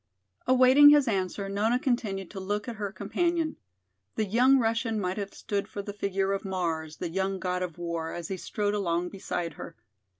Awaiting his answer, Nona continued to look at her companion. The young Russian might have stood for the figure of "Mars," the young god of war, as he strode along beside her.